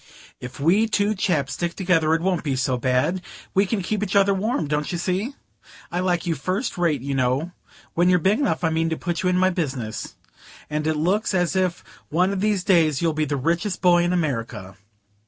"If we two chaps stick together it won't be so bad we can keep each other warm, don't you see? I like you first rate, you know; when you're big enough I mean to put you in my business. And it looks as if one of these days you'd be the richest boy in America...."